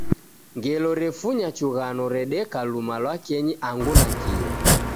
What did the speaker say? Ngelo refunya chughano redeka luma lwa kenyi angu nakio